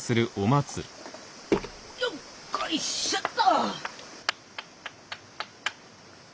よっこいしょと。